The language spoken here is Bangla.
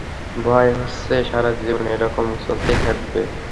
ভয় হচ্ছে, সারাজীবন এরকম চলতেই থাকবে।